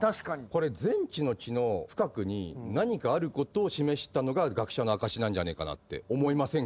これ全知の樹の深くに何かあることを示したのが学者の証なんじゃねえかなって思いませんか？